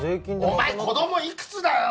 お前子供いくつだよ！